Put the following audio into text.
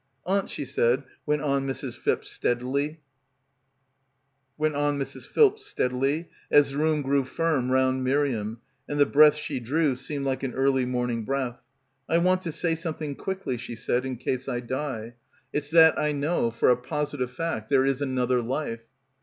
" 'Aunt,' she said," went on Mrs. Philps steadily, as the room grew firm round Miriam and the breath she drew seemed like an early morning breath, " 'I want to say something quickly,' she said, 'in case I die. It's that I know — for a positive fact, there is another life.'